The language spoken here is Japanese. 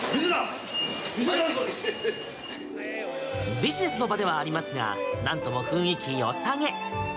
ビジネスの場ではありますがなんとも雰囲気よさげ。